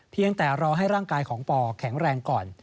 เพียงแต่รอให้ร่างกายของปอแข็งแรงก่อน